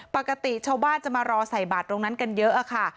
ปกติชาวบ้านจะมารอใส่บาทตรงนั้นกันเยอะค่ะ